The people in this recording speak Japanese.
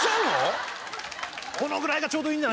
このぐらいがちょうどいい。